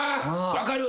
分かる！